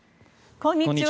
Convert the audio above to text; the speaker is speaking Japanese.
こんにちは。